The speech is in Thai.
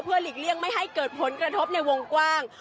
หลีกเลี่ยงไม่ให้เกิดผลกระทบในวงกว้าง